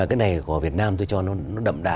cái này của việt nam tôi cho nó đậm đà